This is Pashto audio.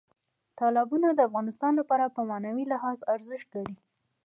تالابونه د افغانانو لپاره په معنوي لحاظ ارزښت لري.